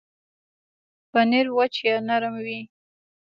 پنېر وچ یا نرم وي.